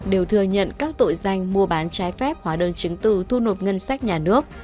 đều thừa nhận các tội danh mua bán trái phép hóa đơn chứng từ thu nộp ngân sách nhà nước